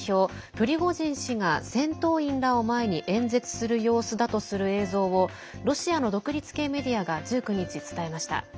プリゴジン氏が戦闘員らを前に演説する様子だとする映像をロシアの独立系メディアが１９日、伝えました。